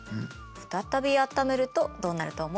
再びあっためるとどうなると思う？